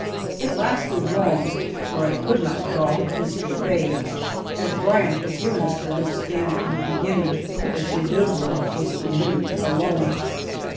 It lasted long, for I could not cut off a piece for Faye, as Bryant had given us to understand in the beginning that the chef d'oeuvre was for me only.